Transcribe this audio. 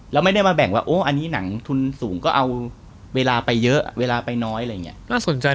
แล้วไม่ได้มาแบ่งว่าโอ้อันนี้หนังทุนสูงก็เอาเวลาไปเยอะเวลาไปน้อยอะไรอย่างนี้